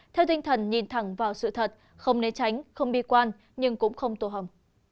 theo tinh thần nhìn thẳng vào sự thật không nên tránh không bi quan nhưng cũng không tổ hầm